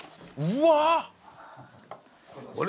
うわ。